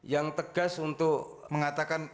yang tegas untuk mengatakan